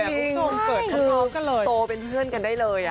จริงคุณเกิดข้างนอกก็เลยโตเป็นเพื่อนกันได้เลย